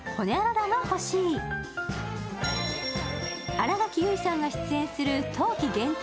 新垣結衣さんが出演する冬季限定